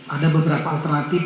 ada beberapa alternatif